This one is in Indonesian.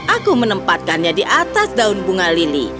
aku menempatkannya di atas daun bunga lili